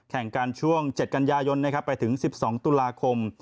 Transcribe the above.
แข่งกันช่วง๗กันยายนไปถึง๑๒ตุลาคม